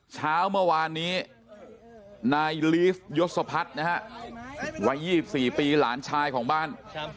เช้าเมื่อวานนี้นายลีฟยศพัฒน์นะฮะวัย๒๔ปีหลานชายของบ้าน